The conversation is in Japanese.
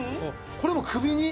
「これも首に」